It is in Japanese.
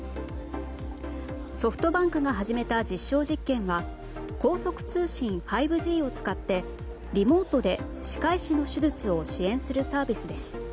ソフトバンクが始めた実証実験は高速通信５Ｇを使ってリモートで歯科医師の手術を支援するサービスです。